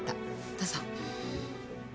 どうぞ。